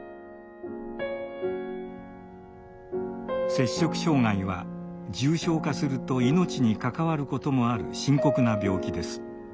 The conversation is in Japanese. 摂食障害は重症化すると命に関わることもある深刻な病気です。